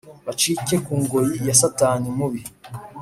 Bacike kungoyi ya satani mubi